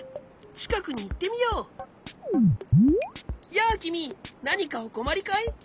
やあきみなにかおこまりかい？